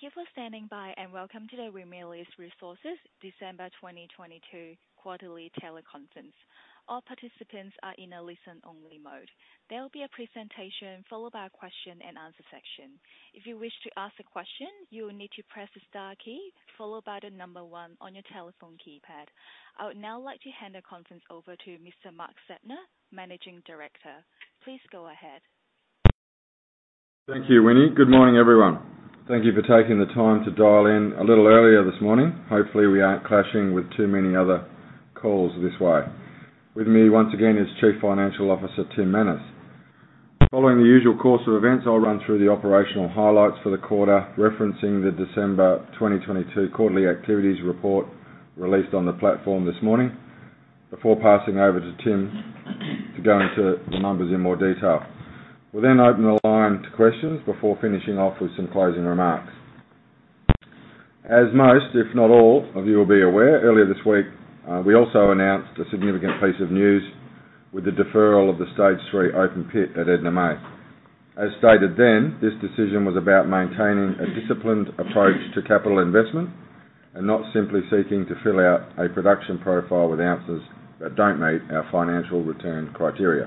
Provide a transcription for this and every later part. Thank you for standing by, and welcome to the Ramelius Resources December 2022 quarterly teleconference. All participants are in a listen-only mode. There will be a presentation followed by a question and answer section. If you wish to ask a question, you will need to press star one on your telephone keypad. I would now like to hand the conference over to Mr. Mark Zeptner, Managing Director. Please go ahead. Thank you, Winnie. Good morning, everyone. Thank you for taking the time to dial in a little earlier this morning. Hopefully, we aren't clashing with too many other calls this way. With me once again is Chief Financial Officer, Tim Manners. Following the usual course of events, I'll run through the operational highlights for the quarter, referencing the December 2022 quarterly activities report released on the platform this morning before passing over to Tim to go into the numbers in more detail. We'll open the line to questions before finishing off with some closing remarks. As most, if not all, of you will be aware, earlier this week, we also announced a significant piece of news with the deferral of the Stage 3 open pit at Edna May. As stated, this decision was about maintaining a disciplined approach to capital investment and not simply seeking to fill out a production profile with answers that don't meet our financial return criteria.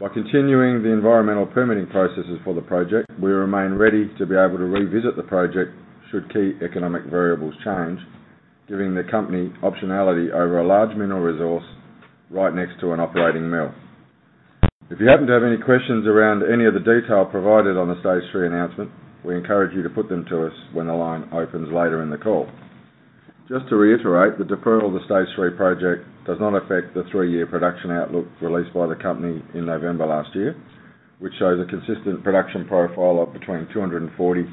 By continuing the environmental permitting processes for the project, we remain ready to be able to revisit the project should key economic variables change, giving the company optionality over a large mineral resource right next to an operating mill. If you happen to have any questions around any of the detail provided on the Stage 3 announcement, we encourage you to put them to us when the line opens later in the call. Just to reiterate, the deferral of the Stage 3 project does not affect the three-year production outlook released by the company in November last year, which shows a consistent production profile of between 240,000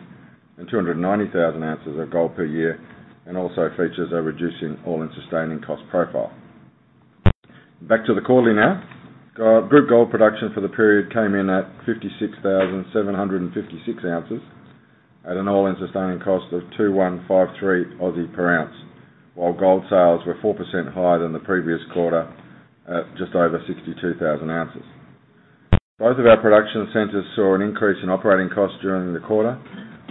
and 290,000 ounces of gold per year, and also features a reducing all-in sustaining cost profile. Back to the quarterly now. Group gold production for the period came in at 56,756 ounces at an all-in sustaining cost of 2,153 per ounce, while gold sales were 4% higher than the previous quarter at just over 62,000 ounces. Both of our production centers saw an increase in operating costs during the quarter,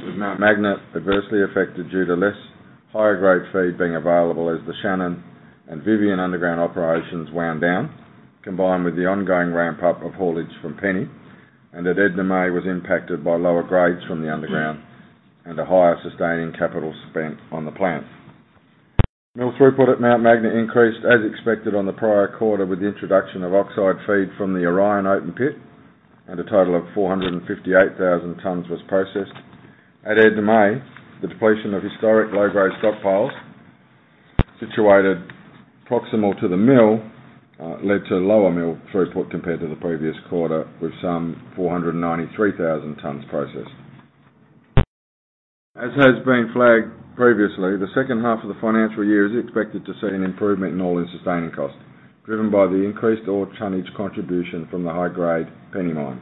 with Mount Magnet adversely affected due to less higher-grade feed being available as the Shannon and Vivian underground operations wound down, combined with the ongoing ramp-up of haulage from Penny, and at Edna May was impacted by lower grades from the underground and a higher sustaining capital spent on the plant. Mill throughput at Mount Magnet increased as expected on the prior quarter with the introduction of oxide feed from the Orion open pit, and a total of 458,000 tons was processed. At Edna May, the depletion of historic low-grade stockpiles situated proximal to the mill, led to lower mill throughput compared to the previous quarter, with some 493,000 tons processed. As has been flagged previously, the second half of the financial year is expected to see an improvement in all-in sustaining cost, driven by the increased ore tonnage contribution from the high-grade Penny mine.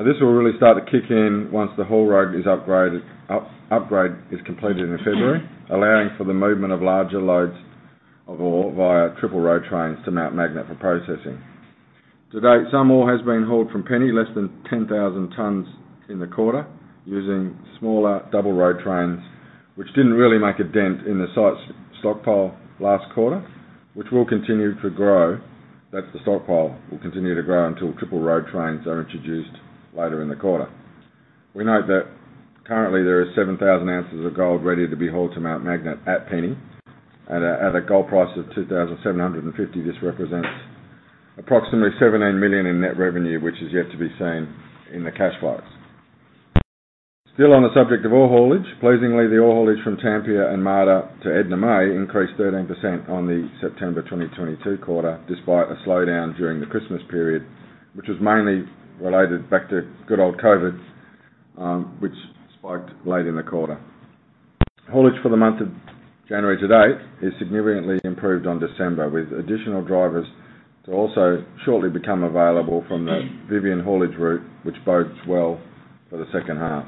This will really start to kick in once the haul road upgrade is completed in February, allowing for the movement of larger loads of ore via triple road trains to Mount Magnet for processing. To date, some ore has been hauled from Penny, less than 10,000 tons in the quarter, using smaller double road trains, which didn't really make a dent in the site's stockpile last quarter, which will continue to grow. That's the stockpile will continue to grow until triple road trains are introduced later in the quarter. We note that currently there is 7,000 ounces of gold ready to be hauled to Mount Magnet at Penny. At a gold price of 2,750, this represents approximately 17 million in net revenue, which is yet to be seen in the cash flows. Still on the subject of ore haulage, pleasingly, the ore haulage from Tampia and Marda to Edna May increased 13% on the September 2022 quarter, despite a slowdown during the Christmas period, which was mainly related back to good old COVID, which spiked late in the quarter. Haulage for the month of January to date is significantly improved on December, with additional drivers to also shortly become available from the Vivian haulage route, which bodes well for the second half.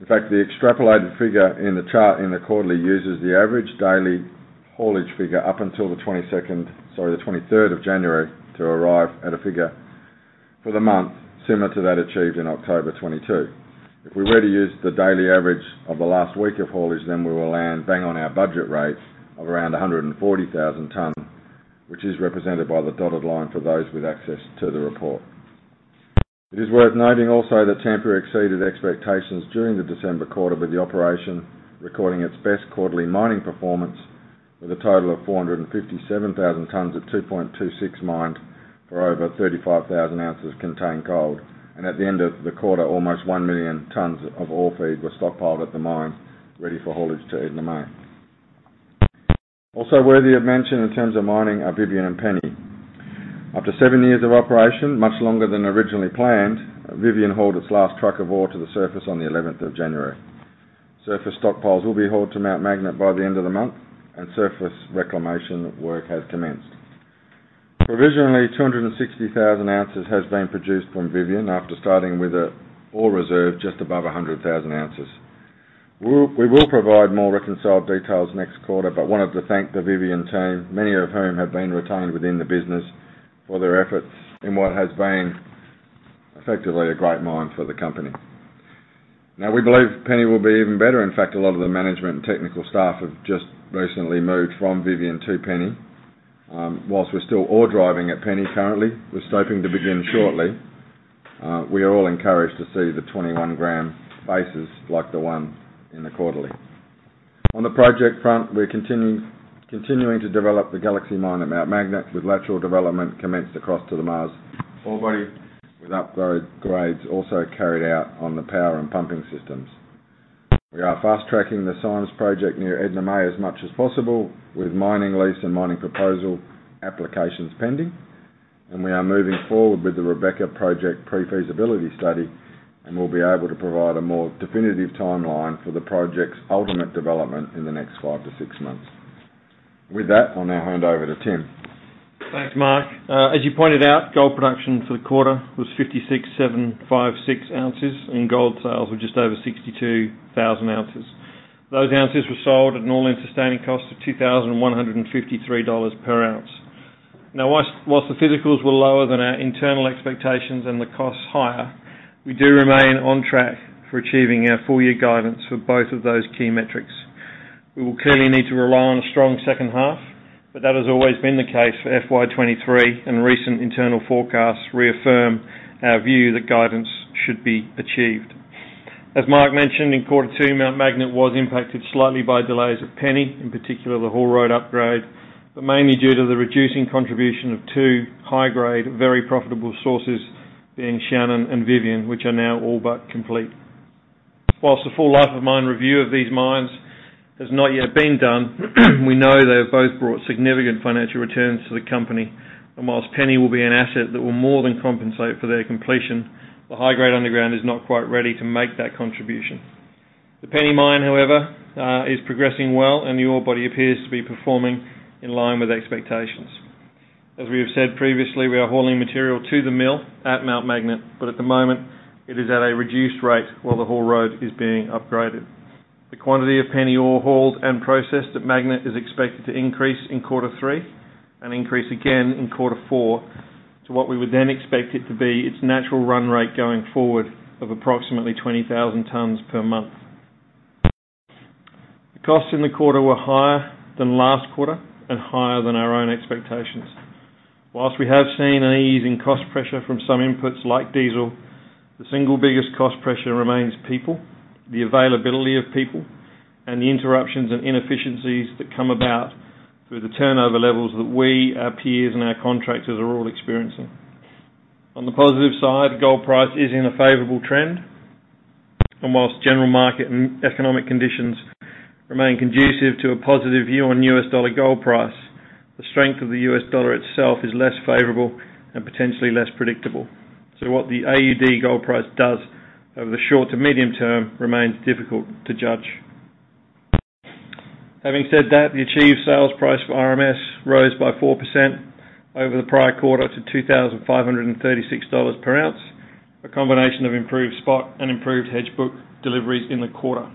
The extrapolated figure in the chart in the quarterly uses the average daily haulage figure up until the 23rd of January to arrive at a figure for the month similar to that achieved in October 2022. If we were to use the daily average of the last week of haulage, then we will land bang on our budget rate of around 140,000 tons, which is represented by the dotted line for those with access to the report. It is worth noting also that Tampia exceeded expectations during the December quarter, with the operation recording its best quarterly mining performance with a total of 457,000 tons of 2.26 mined for over 35,000 ounces contained gold. At the end of the quarter, almost 1 million tons of ore feed was stockpiled at the mine ready for haulage to Edna May. Worthy of mention in terms of mining are Vivian and Penny. After seven years of operation, much longer than originally planned, Vivian hauled its last truck of ore to the surface on the 11th of January. Surface stockpiles will be hauled to Mount Magnet by the end of the month. Surface reclamation work has commenced. Provisionally, 260,000 ounces has been produced from Vivian after starting with a ore reserve just above 100,000 ounces. We will provide more reconciled details next quarter. Wanted to thank the Vivian team, many of whom have been retained within the business, for their efforts in what has been effectively a great mine for the company. We believe Penny will be even better. In fact, a lot of the management and technical staff have just recently moved from Vivian to Penny. While we're still ore driving at Penny currently, we're scoping to begin shortly. We are all encouraged to see the 21 gram bases like the one in the quarterly. On the project front, we're continuing to develop the Galaxy mine at Mount Magnet, with lateral development commenced across to the Mars ore body with upgo-grades also carried out on the power and pumping systems. We are fast-tracking the Symes Project near Edna May as much as possible with mining lease and mining proposal applications pending. We are moving forward with the Rebecca Project pre-feasibility study, and we'll be able to provide a more definitive timeline for the project's ultimate development in the next five to six months. With that, I'll now hand over to Tim. Thanks, Mark. As you pointed out, gold production for the quarter was 56,756 ounces, and gold sales were just over 62,000 ounces. Those ounces were sold at an all-in sustaining cost of 2,153 dollars per ounce. Now, whilst the physicals were lower than our internal expectations and the costs higher, we do remain on track for achieving our full year guidance for both of those key metrics. We will clearly need to rely on a strong second half, but that has always been the case for FY23, and recent internal forecasts reaffirm our view that guidance should be achieved. As Mark mentioned, in Q2, Mount Magnet was impacted slightly by delays at Penny, in particular, the haul road upgrade. Mainly due to the reducing contribution of two high-grade, very profitable sources, being Shannon and Vivian, which are now all but complete. Whilst the full life of mine review of these mines has not yet been done, we know they have both brought significant financial returns to the company. Whilst Penny will be an asset that will more than compensate for their completion, the high grade underground is not quite ready to make that contribution. The Penny Mine, however, is progressing well, and the ore body appears to be performing in line with expectations. As we have said previously, we are hauling material to the mill at Mount Magnet, but at the moment it is at a reduced rate while the haul road is being upgraded. The quantity of Penny ore hauled and processed at Magnet is expected to increase in quarter three and increase again in quarter four to what we would then expect it to be its natural run rate going forward of approximately 20,000 tons per month. The costs in the quarter were higher than last quarter and higher than our own expectations. While we have seen an easing cost pressure from some inputs like diesel, the single biggest cost pressure remains people, the availability of people, and the interruptions and inefficiencies that come about through the turnover levels that we, our peers, and our contractors are all experiencing. On the positive side, gold price is in a favorable trend. While general market and economic conditions remain conducive to a positive view on US dollar gold price, the strength of the US dollar itself is less favorable and potentially less predictable. What the AUD gold price does over the short to medium term remains difficult to judge. Having said that, the achieved sales price for RMS rose by 4% over the prior quarter to 2,536 dollars per ounce, a combination of improved spot and improved hedge book deliveries in the quarter.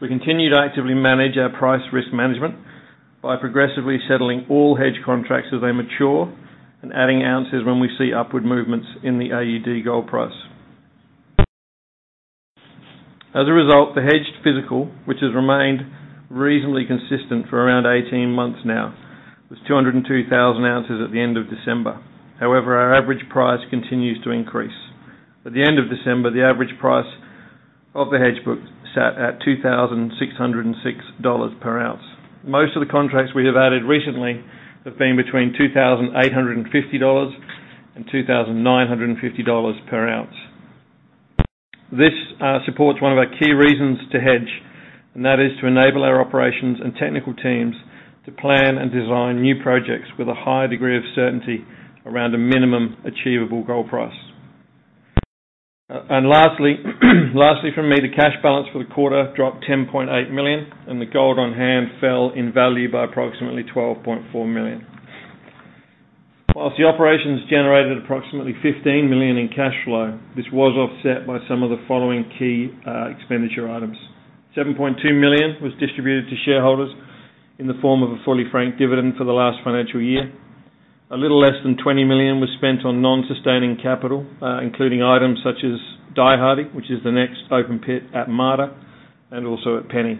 We continue to actively manage our price risk management by progressively settling all hedge contracts as they mature and adding ounces when we see upward movements in the AUD gold price. As a result, the hedged physical, which has remained reasonably consistent for around 18 months now, was 202,000 ounces at the end of December. However, our average price continues to increase. At the end of December, the average price of the hedge book sat at 2,606 dollars per ounce. Most of the contracts we have added recently have been between 2,850 dollars and 2,950 dollars per ounce. This supports one of our key reasons to hedge, and that is to enable our operations and technical teams to plan and design new projects with a high degree of certainty around a minimum achievable gold price. Lastly, from me, the cash balance for the quarter dropped 10.8 million, and the gold on hand fell in value by approximately 12.4 million. Whilst the operations generated approximately 15 million in cash flow, this was offset by some of the following key expenditure items. 7.2 million was distributed to shareholders in the form of a fully franked dividend for the last financial year. A little less than 20 million was spent on non-sustaining capital, including items such as Die Hardy, which is the next open pit at Marda and also at Penny.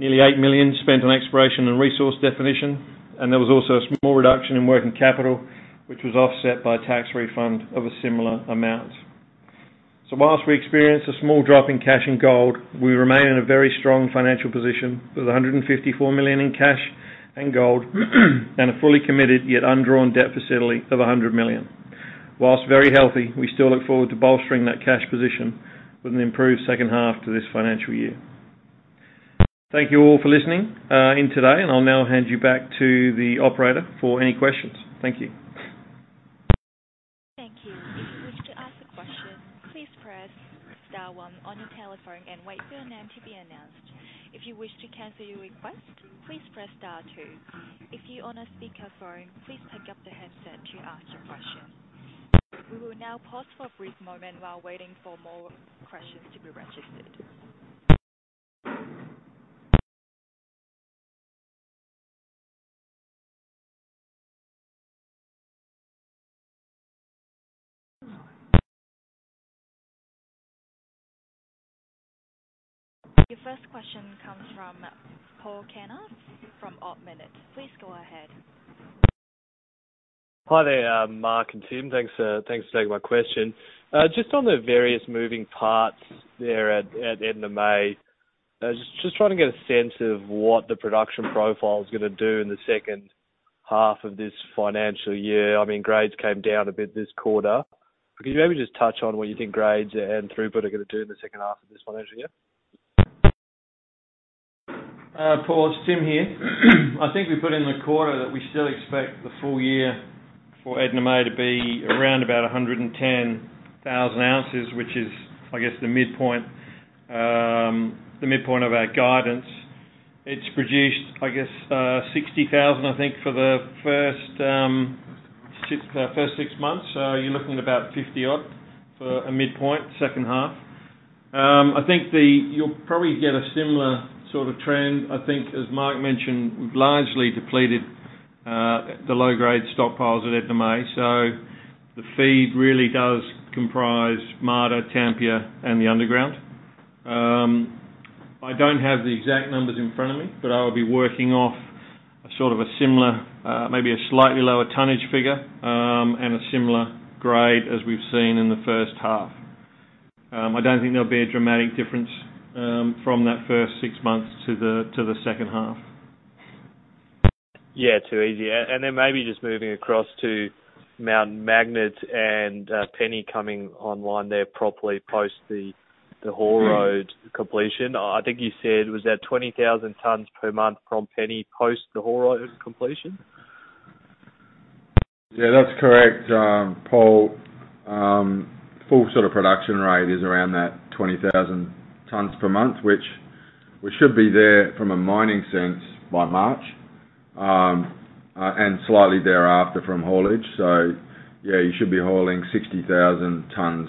Nearly 8 million spent on exploration and resource definition. There was also a small reduction in working capital, which was offset by tax refund of a similar amount. Whilst we experienced a small drop in cash and gold, we remain in a very strong financial position with AUD 154 million in cash and gold and a fully committed yet undrawn debt facility of AUD 100 million. Whilst very healthy, we still look forward to bolstering that cash position with an improved second half to this financial year. Thank you all for listening in today. I'll now hand you back to the operator for any questions. Thank you. Thank you. If you wish to ask a question, please press star one on your telephone and wait for your name to be announced. If you wish to cancel your request, please press star two. If you're on a speakerphone, please pick up the handset to ask your question. We will now pause for a brief moment while waiting for more questions to be registered. Your first question comes from Paul Kaner from Ord Minnett. Please go ahead. Hi there, Mark and Tim. Thanks for taking my question. Just on the various moving parts there at Edna May. I was just trying to get a sense of what the production profile is gonna do in the second half of this financial year. I mean, grades came down a bit this quarter. Could you maybe just touch on what you think grades and throughput are gonna do in the second half of this financial year? Paul, it's Tim here. I think we put in the quarter that we still expect the full year for Edna May to be around about 110,000 ounces, which is, I guess, the midpoint, the midpoint of our guidance. It's produced, I guess, 60,000, I think, for the first six months. You're looking at about 50 odd for a midpoint second half. I think you'll probably get a similar sort of trend. I think, as Mark mentioned, we've largely depleted the low-grade stockpiles at Edna May, so the feed really does comprise Marda, Tampia and the underground. I don't have the exact numbers in front of me, but I'll be working off a sort of a similar, maybe a slightly lower tonnage figure, and a similar grade as we've seen in the first half. I don't think there'll be a dramatic difference from that first six months to the second half. Too easy. Then maybe just moving across to Mount Magnet and Penny coming online there properly post the haul road completion. I think you said was that 20,000 tons per month from Penny post the haul road completion? Yeah, that's correct, Paul. Full sort of production rate is around that 20,000 tons per month, which we should be there from a mining sense by March, and slightly thereafter from haulage. Yeah, you should be hauling 60,000 tons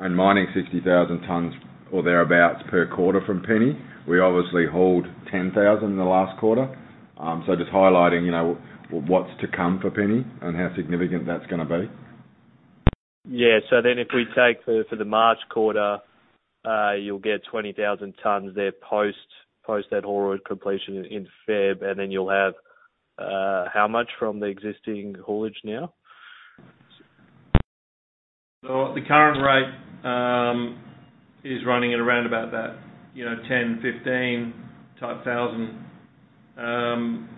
and mining 60,000 tons or thereabout per quarter from Penny. We obviously hauled 10,000 in the last quarter. Just highlighting, you know, what's to come for Penny and how significant that's gonna be. Yeah. If we take for the March quarter, you'll get 20,000 tons there, post that haul road completion in February, and then you'll have how much from the existing haulage now? The current rate is running at around about that, you know, 10,000-15,000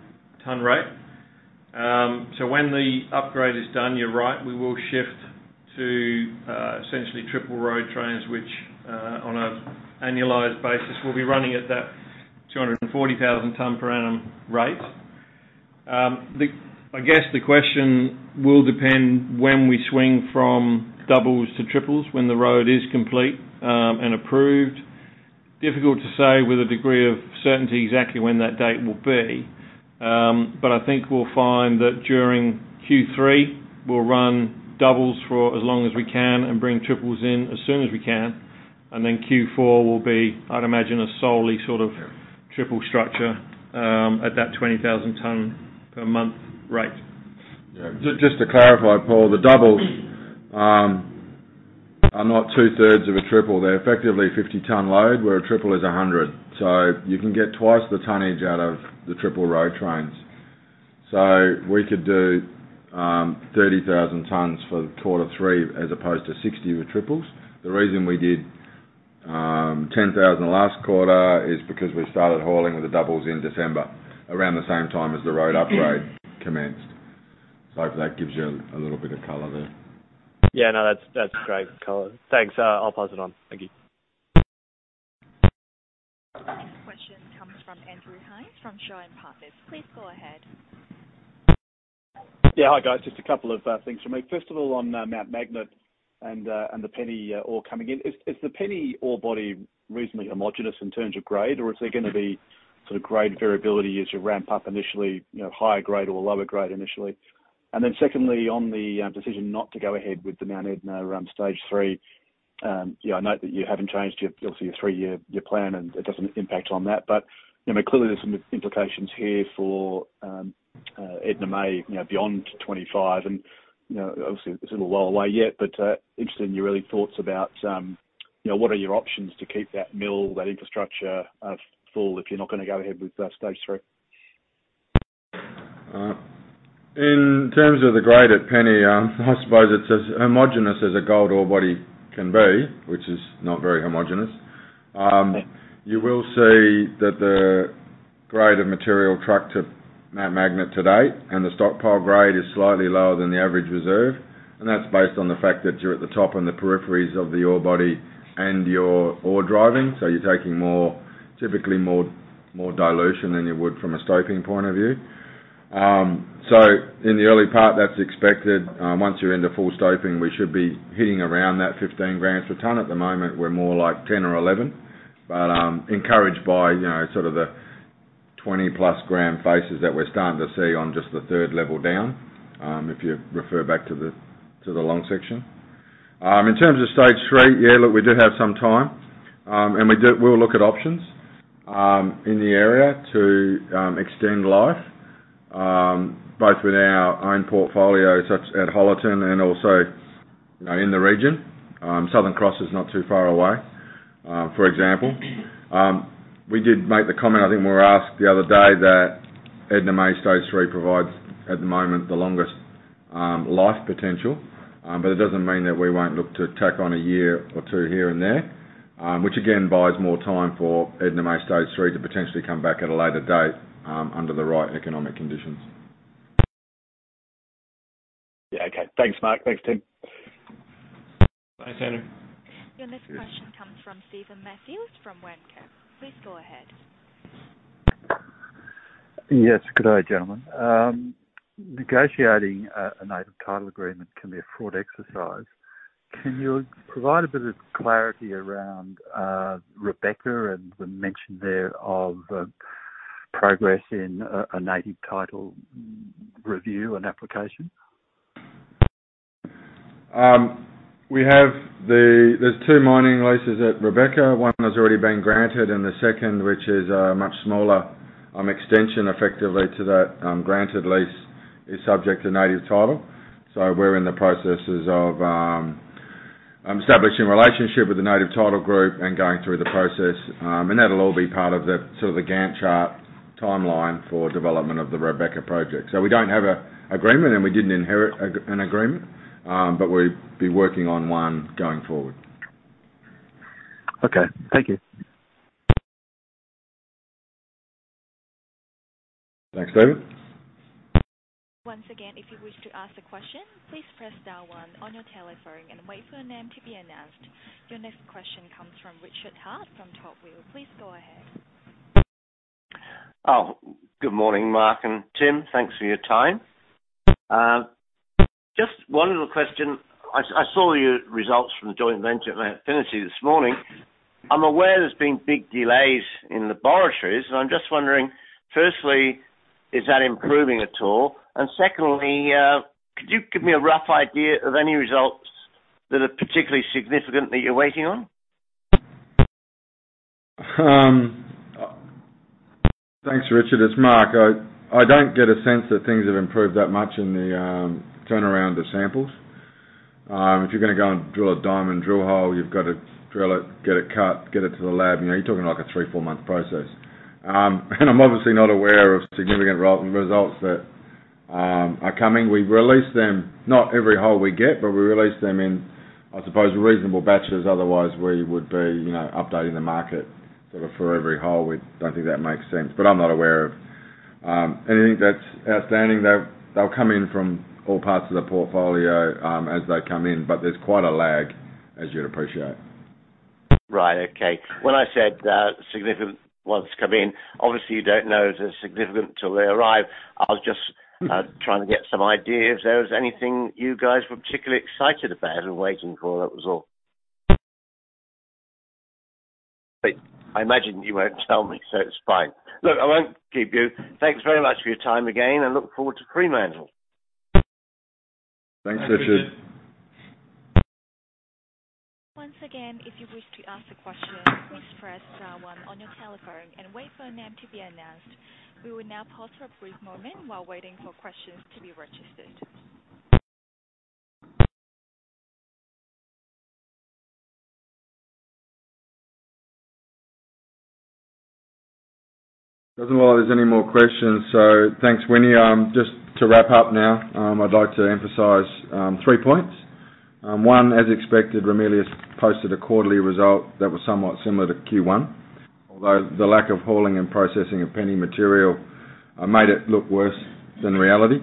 ton rate. When the upgrade is done, you're right, we will shift to essentially triple road trains, which on an annualized basis will be running at that 240,000 ton per annum rate. I guess the question will depend when we swing from doubles to triples. When the road is complete and approved. Difficult to say with a degree of certainty exactly when that date will be. I think we'll find that during Q3, we'll run doubles for as long as we can and bring triples in as soon as we can. Q4 will be, I'd imagine, a solely sort of triple structure at that 20,000 ton per month rate. Just to clarify, Paul, the doubles are not two-thirds of a triple. They're effectively 50 ton load, where a triple is 100. You can get twice the tonnage out of the triple road trains. We could do 30,000 tons for quarter three as opposed to 60 with triples. The reason we did 10,000 last quarter is because we started hauling with the doubles in December, around the same time as the road upgrade commenced. I hope that gives you a little bit of color there. Yeah. No, that's great color. Thanks. I'll pass it on. Thank you. Next question comes from Andrew Hines, from Shaw and Partners. Please go ahead. Yeah, hi, guys. Just a couple of things from me. First of all, on Mount Magnet and the Penny ore coming in. Is the Penny ore body reasonably homogeneous in terms of grade, or is there gonna be sort of grade variability as you ramp up initially, you know, higher grade or lower grade initially? Secondly, on the decision not to go ahead with the Edna May Stage 3. You know, I note that you haven't changed your obviously, your three-year plan, and it doesn't impact on that. You know, clearly there's some implications here for Edna May, you know, beyond 25. You know, obviously it's a little while away yet, but interested in your early thoughts about, you know, what are your options to keep that mill, that infrastructure, full if you're not gonna go ahead with Stage 3? In terms of the grade at Penny, I suppose it's as homogeneous as a gold ore body can be, which is not very homogeneous. You will see that the grade of material truck to Mount Magnet to date and the stockpile grade is slightly lower than the average reserve. That's based on the fact that you're at the top and the peripheries of the ore body and your ore driving, so you're taking more, typically more, more dilution than you would from a scoping point of view. In the early part, that's expected. Once you're into full stoping, we should be hitting around that 15 grams per ton. At the moment, we're more like 10 or 11. Encouraged by, you know, sort of the 20-plus gram faces that we're starting to see on just the third level down, if you refer back to the, to the long section. In terms of Stage 3, yeah, look, we do have some time. We'll look at options in the area to extend life, both with our own portfolio such at Holleton and also, you know, in the region. Southern Cross is not too far away, for example. We did make the comment, I think we were asked the other day that Edna May Stage 3 provides at the moment the longest life potential. It doesn't mean that we won't look to tack on a year or two here and there, which again buys more time for Edna May Stage 3 to potentially come back at a later date, under the right economic conditions. Yeah. Okay. Thanks, Mark. Thanks, Tim. Bye, Andrew. Your next question comes from Steven Matthews from WAM Capital. Please go ahead. Yes. Good day, gentlemen. Negotiating a Native Title agreement can be a fraught exercise. Can you provide a bit of clarity around Rebecca and the mention there of progress in a Native Title review and application? There's two mining leases at Rebecca. One has already been granted, and the second, which is much smaller, extension effectively to that granted lease is subject to Native Title. We're in the processes of establishing relationship with the Native Title group and going through the process. And that'll all be part of the sort of the Gantt chart timeline for development of the Rebecca project. We don't have a agreement, and we didn't inherit an agreement, but we'll be working on one going forward. Okay. Thank you. Thanks, David. Once again, if you wish to ask a question, please press star one on your telephone and wait for your name to be announced. Your next question comes from Richard Hart from Tael Partners. Please go ahead. Good morning, Mark and Tim. Thanks for your time. Just one little question. I saw your results from the joint venture at Infinity this morning. I'm aware there's been big delays in laboratories, and I'm just wondering, firstly, is that improving at all? Secondly, could you give me a rough idea of any results that are particularly significant that you're waiting on? Thanks, Richard. It's Mark. I don't get a sense that things have improved that much in the turnaround of samples. If you're gonna go and drill a diamond drill hole, you've got to drill it, get it cut, get it to the lab, you know, you're talking like a three, four-month process. I'm obviously not aware of significant re-results that are coming. We release them, not every hole we get, but we release them in, I suppose, reasonable batches. Otherwise, we would be, you know, updating the market sort of for every hole. We don't think that makes sense. I'm not aware of anything that's outstanding. They'll come in from all parts of the portfolio, as they come in. There's quite a lag, as you'd appreciate. Right. Okay. When I said that significant ones come in, obviously you don't know they're significant till they arrive. Mm-hmm. trying to get some idea if there was anything you guys were particularly excited about and waiting for. That was all. I imagine you won't tell me, so it's fine. Look, I won't keep you. Thanks very much for your time again, and look forward to pre-manual. Thanks, Richard. Thanks, Richard. Once again, if you wish to ask a question, please press star one on your telephone and wait for your name to be announced. We will now pause for a brief moment while waiting for questions to be registered. Doesn't look like there's any more questions. Thanks, Winnie. Just to wrap up now, I'd like to emphasize three points. One, as expected, Ramelius posted a quarterly result that was somewhat similar to Q1. Although the lack of hauling and processing of Penny material made it look worse than reality.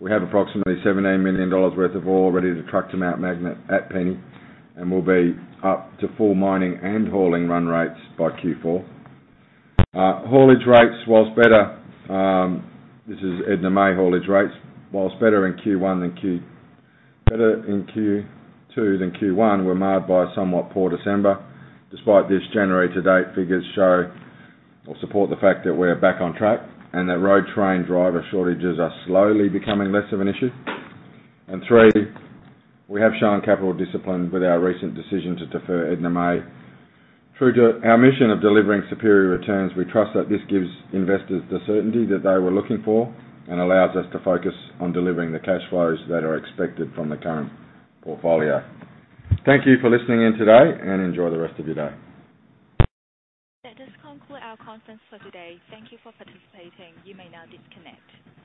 We have approximately 78 million dollars worth of ore ready to truck to Mount Magnet at Penny, and we'll be up to full mining and hauling run rates by Q4. Haulage rates was better, this is Edna May haulage rates. Whilst better in Q2 than Q1, we're marred by a somewhat poor December. Despite this, January to date, figures show or support the fact that we're back on track and that road train driver shortages are slowly becoming less of an issue. 3, we have shown capital discipline with our recent decision to defer Edna May. True to our mission of delivering superior returns, we trust that this gives investors the certainty that they were looking for and allows us to focus on delivering the cash flows that are expected from the current portfolio. Thank you for listening in today, and enjoy the rest of your day. That does conclude our conference for today. Thank you for participating. You may now disconnect.